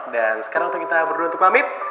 dan sekarang kita berdua untuk pamit